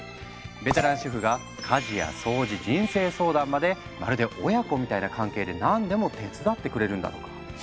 ベテラン主婦が家事や掃除人生相談までまるで親子みたいな関係で何でも手伝ってくれるんだとか。